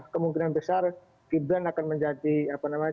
kemungkinan besar gibran akan menjadi apa namanya